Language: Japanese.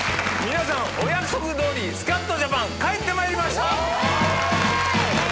お約束どおり『スカッとジャパン』帰ってまいりました。